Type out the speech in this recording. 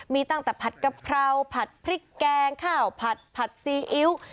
มีตั้งแต่ผัดกะเพราผัดพริกแกงข้าวผัดผัดซีอิ๊ว